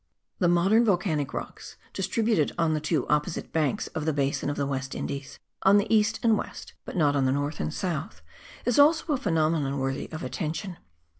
The modern volcanic rocks distributed on the two opposite banks of the basin of the West Indies on the east and west, but not on the north and south, is also a phenomenon worthy of attention.